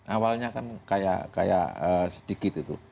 awalnya kan kayak sedikit itu